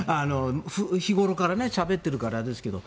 日ごろからしゃべっているからですけど。